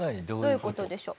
どういう事でしょう？